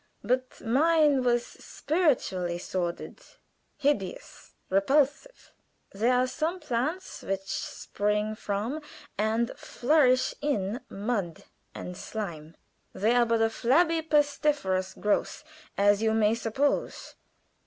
But mine was spiritually sordid hideous, repulsive. There are some plants which spring from and flourish in mud and slime; they are but a flabby, pestiferous growth, as you may suppose.